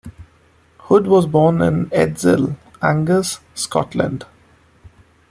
Hood was born in Edzell, Angus, Scotland.